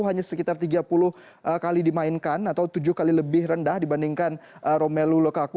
hanya sekitar tiga puluh kali dimainkan atau tujuh kali lebih rendah dibandingkan romelu lukaku